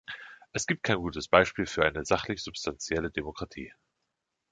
Es gibt kein gutes Beispiel für eine sachlich substanzielle Demokratie.